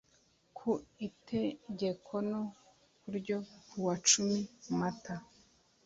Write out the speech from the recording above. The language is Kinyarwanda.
ku itegeko no ryo kuwa cumi mata